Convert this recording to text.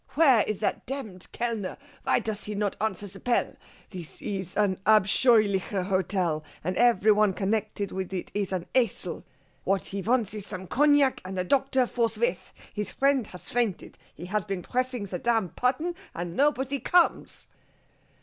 Where is that tamned kellner? Why does he not answer the pell? This is an abscheuliches hotel, and every one connected with it is an Esel. What he wants is some cognac and a doctor forthwith. His friend has fainted, and he has been pressing the tamned puddon, and nobody comes.